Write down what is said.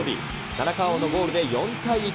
田中碧のゴールで４対１。